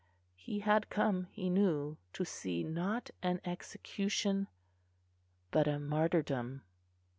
He had come, he knew, to see not an execution but a martyrdom.